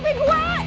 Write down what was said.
baik tolong eh